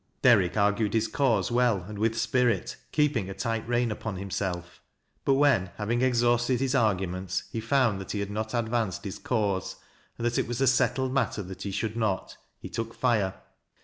Derrick argued his cause well and with spirit, keeping a tight rein upon himself ; but when, having exhausted his arguments, he found that he had not advanced hid cause, and that it was a settled matter that he should not, he took fire.